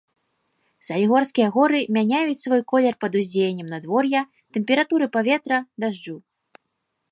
Салігорскія горы мяняюць свой колер пад уздзеяннем надвор'я, тэмпературы паветра, дажджу.